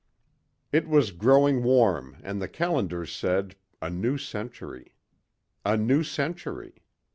It was growing warm and the calendars said a new century ... a new century.